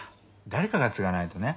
誰かが継がないとね。